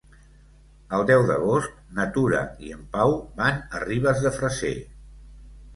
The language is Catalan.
El deu d'agost na Tura i en Pau van a Ribes de Freser.